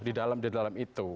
di dalam di dalam itu